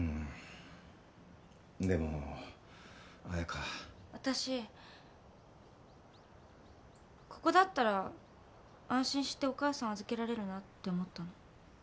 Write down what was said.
わたしここだったら安心してお母さん預けられるなって思ったの。